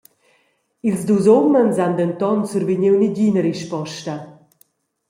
Ils dus umens han denton survegniu negina risposta.